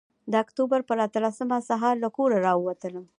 د اکتوبر پر اتلسمه سهار له کوره راووتلم.